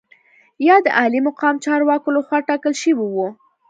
یا د عالي مقام چارواکو لخوا ټاکل شوي وو.